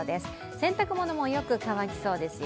洗濯物もよく乾きそうですよ。